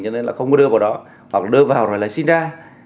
cho nên không đưa vào đó hoặc đưa vào rồi lại xin ra